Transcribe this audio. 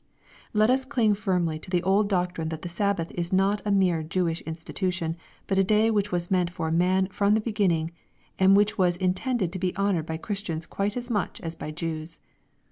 Let us cling firmly to the old doctrine that the Sabbath is not a mere Jewish institution, but a day which was meant for man from the beginning, and which was in tended to be honored by Christians quite as much as by Jews.